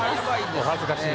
お恥ずかしい。